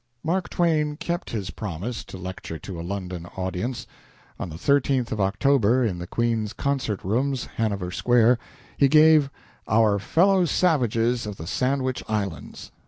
Mark Twain kept his promise to lecture to a London audience. On the 13th of October, in the Queen's Concert Rooms, Hanover Square, he gave "Our Fellow Savages of the Sandwich Islands."